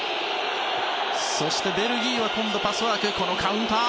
そしてベルギーは今度はパスワークからのカウンター。